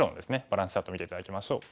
バランスチャートを見て頂きましょう。